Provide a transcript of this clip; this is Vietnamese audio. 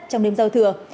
trong niềm giao thừa